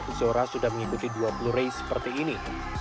izora sudah mengikuti dua puluh race seperti ini